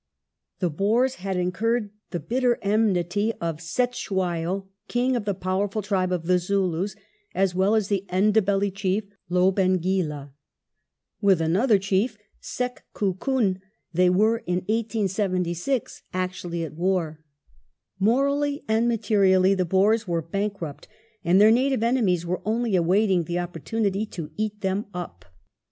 The Boei s had incurred the bitter enmity of Cetewayo, King of the powerful tribe of the Zulus, as well as of the Matabele Chief, Lobengula. With another Chief, Sekukuni, they were, in 1876, actually at war. Morally and materially the Boers were bankrupt, and their native enemies were only awaiting the op portunity to " eat them up